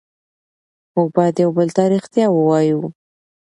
موږ باید یو بل ته ریښتیا ووایو